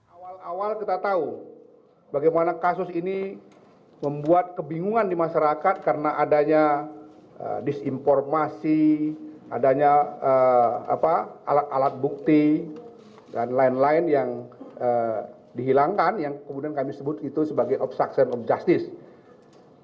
awal awal kita tahu bagaimana kasus ini membuat kebingungan di masyarakat karena adanya disinformasi adanya alat alat bukti dan lain lain yang dihilangkan yang kemudian kami sebut itu sebagai obstruction of justice